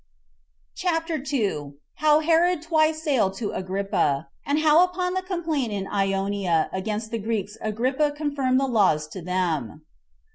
CHAPTER 2. How Herod Twice Sailed To Agrippa; And How Upon The Complaint In Ionia Against The Greeks Agrippa Confirmed The Laws To Them.